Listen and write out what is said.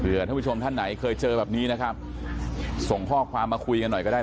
เพื่อท่านผู้ชมท่านไหนเคยเจอแบบนี้นะครับส่งข้อความมาคุยกันหน่อยก็ได้